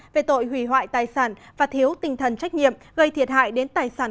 về tội hủy hoại tài sản và thiếu tinh thần trách nhiệm gây thiệt hại đến tài sản